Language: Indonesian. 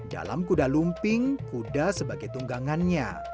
dalam kuda lumping kuda sebagai tunggangannya